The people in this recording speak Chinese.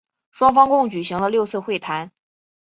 双方共举行了六次会谈。